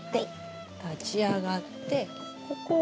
立ち上がってここを通る。